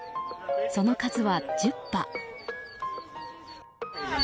その数は１０羽。